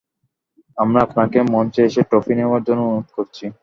আমরা আপনাকে মঞ্চে এসে ট্রফি নেওয়ার জন্য অনুরোধ করছি!